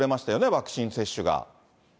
ワクチン接種が。